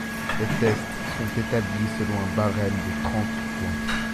Les tests sont établis selon un barème de trente points.